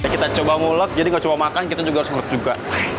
kita coba mulut jadi nggak coba makan kita juga harus mulut juga